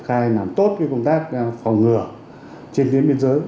chúng tôi sẽ làm tốt công tác phòng ngừa trên tiến biên giới